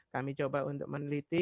kami coba untuk meneliti